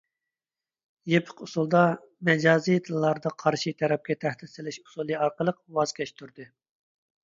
يېپىق ئۇسۇلدا، مەجازىي تىللاردا قارشى تەرەپكە تەھدىت سېلىش ئۇسۇلى ئارقىلىق ۋاز كەچتۈردى.